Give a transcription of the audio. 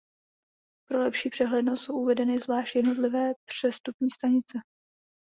Pro lepší přehlednost jsou uvedeny zvlášť jednotlivé přestupní stanice.